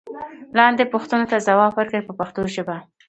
لاندې پوښتنو ته ځواب ورکړئ په پښتو ژبه.